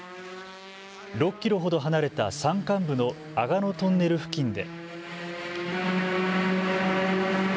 ６キロほど離れた山間部の吾野トンネル付近で。